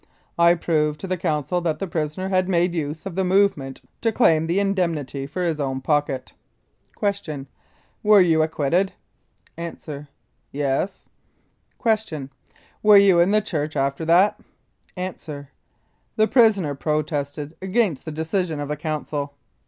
I proved to the Council that the prisoner had made use of the movement to claim the indemnity for his own pocket. Q. You were acquitted? A. Yes. Q. You were in the church after that? A. The prisoner protested against the decision of the Council.